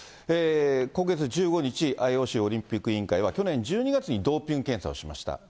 今月１５日、ＩＯＣ・オリンピック委員会は、去年１２月にドーピング検査をしました。